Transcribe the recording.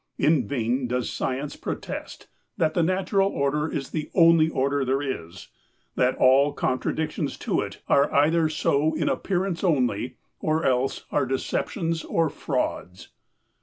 In vain does Science protest that the natural order is the only order there is, that all contradictions to it are either so in appearance only or else are deceptions or frauds.